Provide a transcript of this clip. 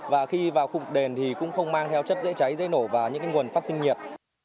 và khi vào khủng đền thì cũng không mang theo chất dễ cháy dễ nổ và những nguồn phát sinh nhiệt